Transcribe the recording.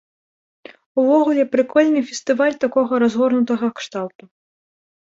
Увогуле, прыкольны фестываль такога разгорнутага кшталту.